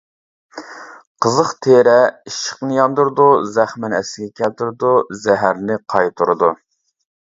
قىزىق تېرە ئىششىقنى ياندۇرىدۇ، زەخىمنى ئەسلىگە كەلتۈرىدۇ، زەھەرنى قايتۇرىدۇ.